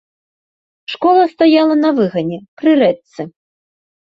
Школа стаяла на выгане, пры рэчцы.